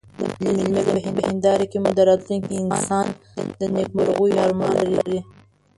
د ملي ضمير په هنداره کې مو راتلونکی انسان د نيکمرغيو ارمان ولري.